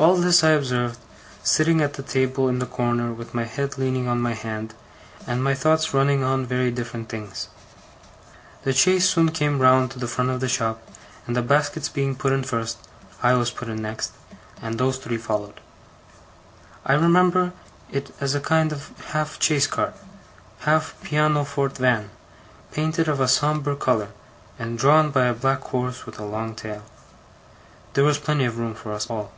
All this I observed, sitting at the table in the corner with my head leaning on my hand, and my thoughts running on very different things. The chaise soon came round to the front of the shop, and the baskets being put in first, I was put in next, and those three followed. I remember it as a kind of half chaise cart, half pianoforte van, painted of a sombre colour, and drawn by a black horse with a long tail. There was plenty of room for us all.